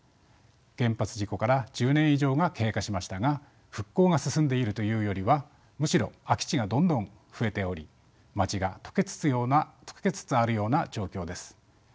原発事故から１０年以上が経過しましたが復興が進んでいるというよりはむしろ空き地がどんどん増えており町が溶けつつあるような状況です。